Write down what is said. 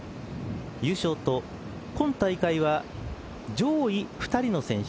優勝と今大会は上位２人の選手